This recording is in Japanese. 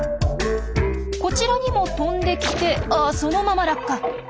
こちらにも飛んできてあそのまま落下。